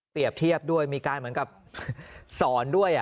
เทียบด้วยมีการเหมือนกับสอนด้วย